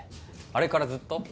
あれからずっと？